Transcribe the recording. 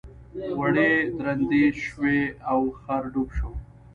وړۍ درندې شوې او خر ډوب شو.